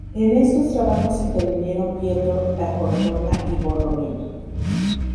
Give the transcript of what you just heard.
En estos trabajos intervinieron Pietro da Cortona y Borromini.